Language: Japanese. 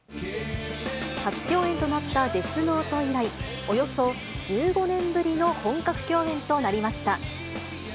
初共演となったデスノート以来、およそ１５年ぶりの本格共演となりました。